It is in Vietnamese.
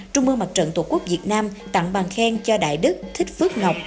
trung mương mặt trận tổ quốc việt nam tặng bằng khen cho đại đức thích phước ngọc